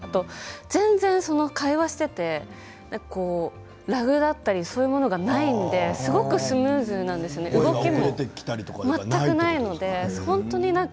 全然会話をしていてラグだったりそういうものがないのですごくスムーズなんです動きも。